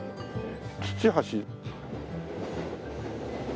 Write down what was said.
「土橋」。